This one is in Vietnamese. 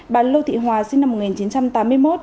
bà lô thị hòa sinh năm một nghìn chín trăm tám mươi một